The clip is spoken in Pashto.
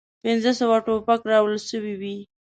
پنځه سوه توپک راوړل سوي وې.